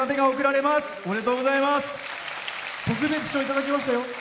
特別賞いただきましたよ。